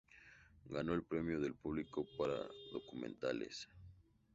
Ganó el premio del público para documentales.